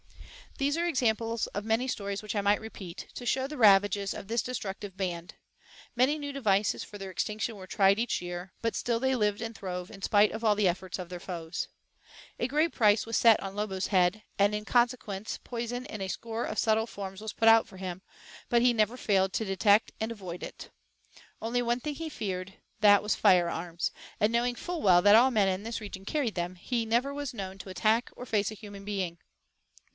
These are examples of many stories which I might repeat, to show the ravages of this destructive band. Many new devices for their extinction were tried each year, but still they lived and throve in spite of all the efforts of their foes. A great price was set on Lobo's head, and in consequence poison in a score of subtle forms was put out for him, but he never failed to detect and avoid it. One thing only he feared that was firearms, and knowing full well that all men in this region carried them, he never was known to attack or face a human being.